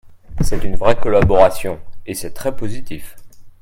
C’est une vraie collaboration et c’est très positif.